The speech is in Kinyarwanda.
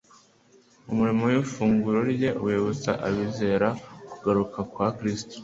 Umurimo w'ifunguro ryera, wibutsa abizera kugaruka kwa Kristo.